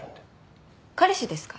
彼氏ですか？